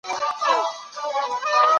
شخصیت د انسان د اعمالو هنداره ده.